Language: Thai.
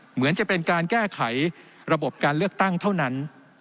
เหมือนจะเป็นการแก้ไขระบบการเลือกตั้งเท่านั้น